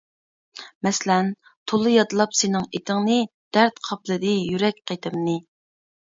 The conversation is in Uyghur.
مەسىلەن: تولا يادلاپ سېنىڭ ئېتىڭنى، دەرد قاپلىدى يۈرەك قېتىمنى.